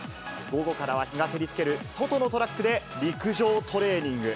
午後からは日が照りつける外のトラックで、陸上トレーニング。